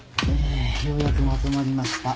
えようやくまとまりました。